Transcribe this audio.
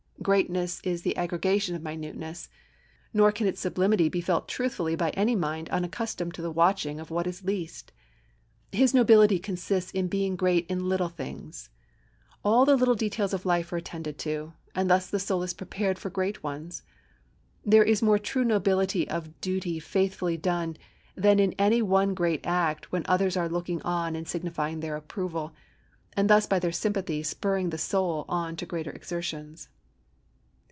Greatness is the aggregation of minuteness; nor can its sublimity be felt truthfully by any mind unaccustomed to the watching of what is least. His nobility consists in being great in little things. All the little details of life are attended to, and thus the soul is prepared for great ones. There is more true nobility in duty faithfully done than in any one great act when others are looking on and signifying their approval, and thus by their sympathy spurring the soul on to greater exertions.